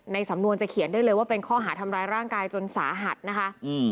สำนวนจะเขียนได้เลยว่าเป็นข้อหาทำร้ายร่างกายจนสาหัสนะคะอืม